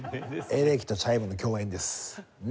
エレキとチャイムの共演です。